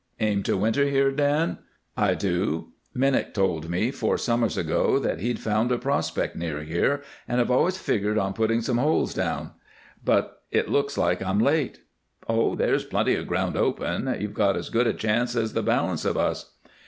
"Aim to winter here, Dan?" "I do. Minook told me, four summers ago, that he'd found a prospect near here, and I've always figgered on putting some holes down. But it looks like I'm late." "Oh, there's plenty of ground open. You've got as good a chance as the balance of us."